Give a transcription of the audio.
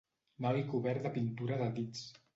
Noi cobert de pintura de dits.